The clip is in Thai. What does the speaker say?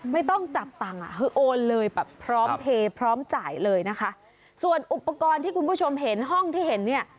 ไม่ต้องจับตังค์อ่ะคือโอนเลยแบบพร้อมเพลย์พร้อมจ่ายเลยนะคะส่วนอุปกรณ์ที่คุณผู้ชมเห็นห้องที่เห็นเนี่ย